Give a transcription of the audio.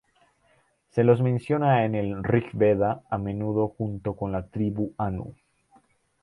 Se los menciona en el "Rig-veda", a menudo junto con la tribu anu.